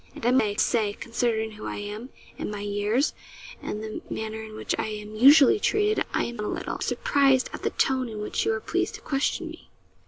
'And I may say, considering who I am and my years and the manner in which I am usually treated, I am a little surprised at the tone in which you are pleased to question me.'